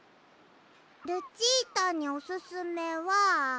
ルチータにおすすめは。